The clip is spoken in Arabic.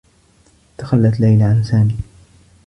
تخلّت ليلى عن سامي.